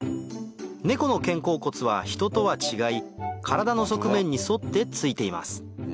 ネコの肩甲骨はヒトとは違い体の側面に沿ってついています